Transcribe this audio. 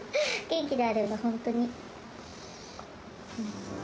元気であれば本当に。